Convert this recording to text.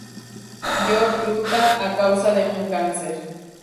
George, Utah, a causa de un cáncer.